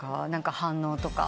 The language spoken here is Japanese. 反応とか。